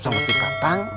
sama si katang